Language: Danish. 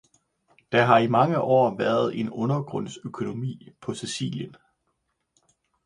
Der har i mange år været en undergrundsøkonomi på Sicilien